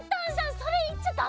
それいっちゃダメ！